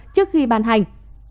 trước khi bàn hành